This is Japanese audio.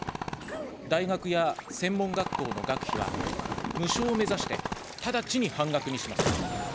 大学や専門学校の学費は無償を目指して、ただちに半額にします。